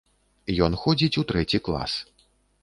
Ён ходзіць у трэці клас.